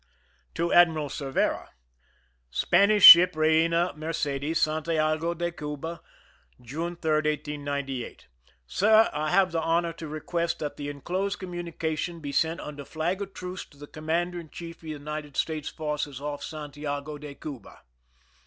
To Admiral Cervera : Spanish Smp " Reina Mercedes," Santiago de Cuba, June 3, 1898. Sir : I have the honor to request that the inclosed com munication be sent under flag of truce to the commander in chief of the United States forces off Santiago de Cuba.